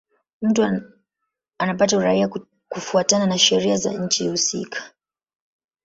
Mtu anapata uraia kufuatana na sheria za nchi husika.